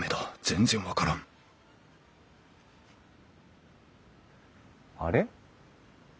全然分からんあれ？